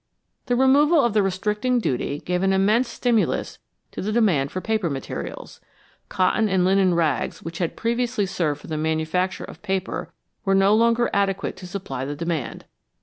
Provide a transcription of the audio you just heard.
The removal of the restricting duty gave an immense stimulus to the demand for paper materials. Cotton and linen rags, which had previously served for the manu facture of paper, were no longer adequate to supply the demand.